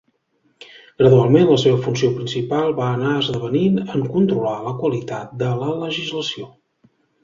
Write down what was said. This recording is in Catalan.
Gradualment la seva funció principal va anar esdevenint en controlar la qualitat de la legislació.